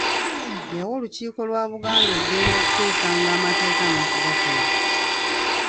Yawa olukiiko lwa Buganda eddembe okuteesanga amateeka n'okugakola.